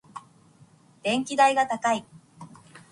電気代が高い。